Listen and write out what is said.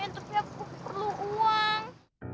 tapi aku perlu uang